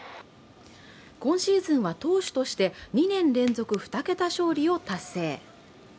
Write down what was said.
今シーズンは投手として２年連続２桁勝利を達成。